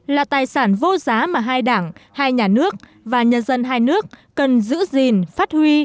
là tài sản vô giá mà hai đảng hai nhà nước và nhân dân hai nước cần giữ gìn phát huy